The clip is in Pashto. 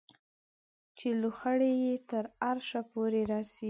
چې لوخړې یې تر عرشه پورې رسي